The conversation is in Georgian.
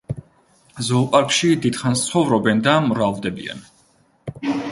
ზოოპარკში დიდხანს ცხოვრობენ და მრავლდებიან.